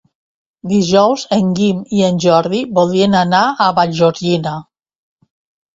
Dijous en Guim i en Jordi voldrien anar a Vallgorguina.